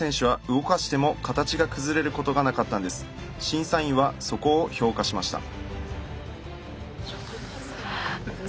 審査員はそこを評価しました。